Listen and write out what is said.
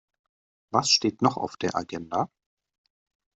Was steht noch auf der Agenda?